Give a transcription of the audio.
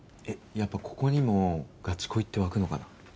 やっぱここにもガチ恋ってわくのかな